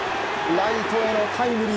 ライトへのタイムリー。